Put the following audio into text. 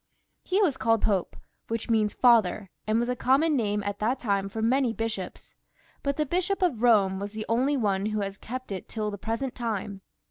He was called Pope, which means father, and was a common name at that time for many bishops ; but the Bishop of Bome was the only one who has kept it till the present time.